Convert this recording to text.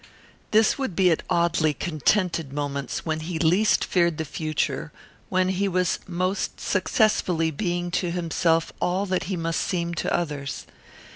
This would be at oddly contented moments when he least feared the future, when he was most successfully being to himself all that he must seem to others.